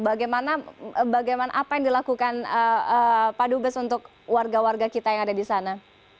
bagaimana apa yang dilakukan pak dubes untuk warga warga kita yang ada di sana